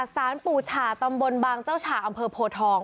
สารปู่ฉาตำบลบางเจ้าฉ่าอำเภอโพทอง